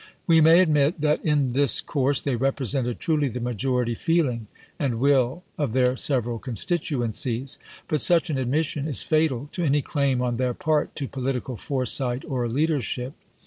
We may admit that in this course they represented truly the majority feeling and will of their several constituencies ; but such an admission is fatal to any claim on their part to political foresight or leadership.